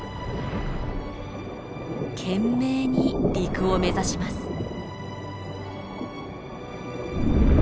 懸命に陸を目指します。